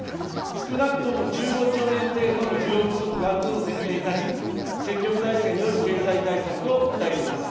少なくとも１５兆円程度の需要不足があるとの前提に立ち、積極財政による経済対策を訴えています。